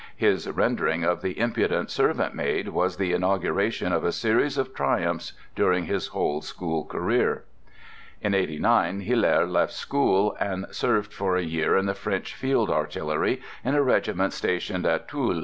His rendering of the impudent servant maid was the inauguration of a series of triumphs during his whole school career." In '89 Hilaire left school, and served for a year in the French field artillery, in a regiment stationed at Toul.